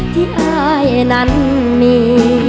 ที่ไอ้นั่นมี